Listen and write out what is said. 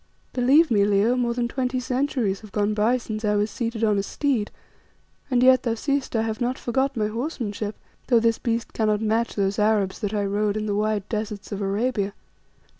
"Believe me, Leo, more than twenty centuries have gone by since I was seated on a steed, and yet thou seest I have not forgot my horsemanship, though this beast cannot match those Arabs that I rode in the wide deserts of Arabia.